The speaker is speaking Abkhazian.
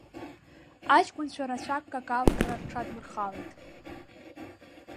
Аҷкәынцәа рацәак какалкра рҽаддмырхалеит.